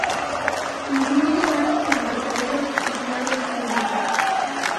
Incluye varios embarcaderos y playas públicas.